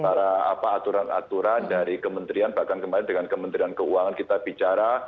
dan juga apa aturan aturan dari kementerian bahkan kemarin dengan kementerian keuangan kita bicara